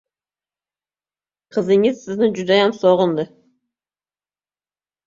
Qizingiz sizni judayam sogʻindi.